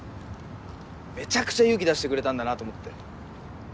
めちゃくちゃ勇気出してくれたんだなと思って。